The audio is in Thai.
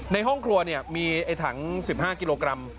ในห้องครัวมีถัง๑๕กิโลกรัม